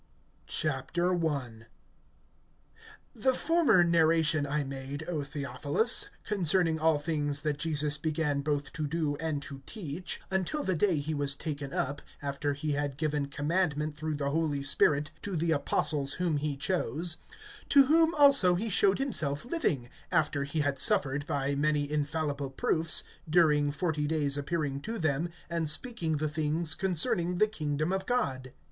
I. THE former narration I made, O Theophilus, concerning all things that Jesus began both to do and to teach, (2)until the day when he was taken up, after he had given commandment, through the Holy Spirit, to the apostles whom he chose; (3)to whom also he showed himself living, after he had suffered, by many infallible proofs, during forty days appearing to them, and speaking the things concerning the kingdom of God.